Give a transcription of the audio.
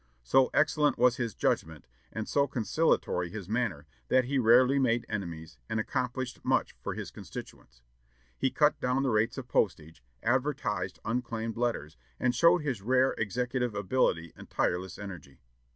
So excellent was his judgment, and so conciliatory his manner, that he rarely made enemies, and accomplished much for his constituents. He cut down the rates of postage, advertised unclaimed letters, and showed his rare executive ability and tireless energy.